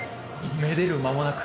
めでる間もなく。